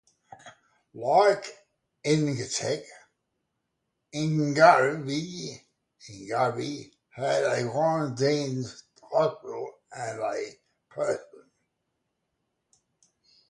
Like Inchkeith, Inchgarvie had a quarantine hospital, and a prison.